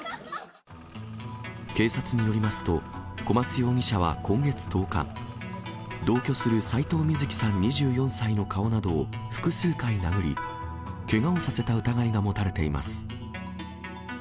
警察によりますと、小松容疑者は今月１０日、同居する斎藤瑞希さん２４歳の顔などを、複数回殴り、けがをさせた疑いが持たれています。